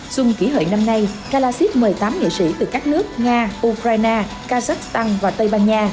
xuân kỷ hội năm nay gala siết mời tám nghệ sĩ từ các nước nga ukraine kazakhstan và tây ban nha